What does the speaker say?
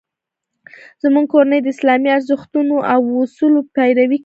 زموږ کورنۍ د اسلامي ارزښتونو او اصولو پیروي کوي